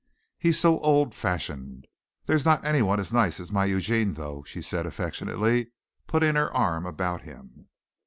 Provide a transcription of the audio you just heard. He's so old fashioned. There's not anyone as nice as my Eugene, though," she said affectionately, putting her arm about him.